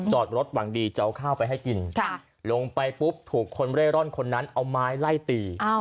จอดรถหวังดีจะเอาข้าวไปให้กินลงไปปุ๊บถูกคนเร่ร่อนคนนั้นเอาไม้ไล่ตี